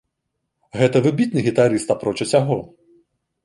Гэта выбітны гітарыст, апроч усяго.